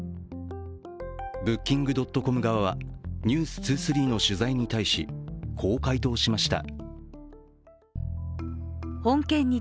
Ｂｏｏｋｉｎｇ．ｃｏｍ側は「ｎｅｗｓ２３」の取材に対しこう回答しました。